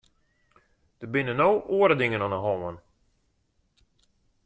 Der binne no oare dingen oan de hân.